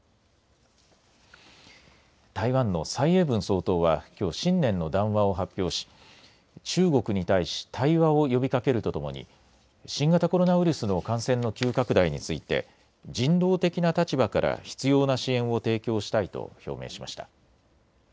台湾の蔡英文総統はきょう、新年の談話を発表し中国に対し対話を呼びかけるとともに新型コロナウイルスの感染の急拡大について人道的な立場から必要な支援を提供したいと表明しました。